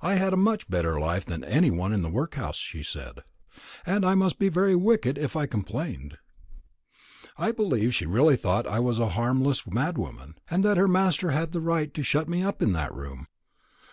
I had a much better life than any one in the workhouse, she said; and I must be very wicked if I complained. I believe she really thought I was a harmless madwoman, and that her master had a right to shut me up in that room.